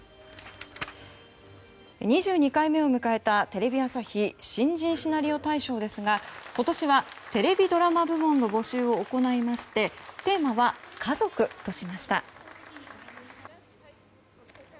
２２回目を迎えた、テレビ朝日新人シナリオ大賞ですが今年はテレビドラマ部門の募集を行いましてテーマは家族としました。